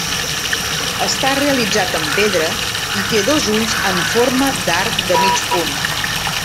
Està realitzat en pedra i té dos ulls en forma d'arc de mig punt.